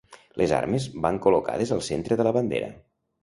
Les armes van col·locades al centre de la bandera.